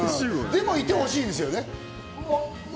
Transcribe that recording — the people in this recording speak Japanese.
でも、いてほしいですよね。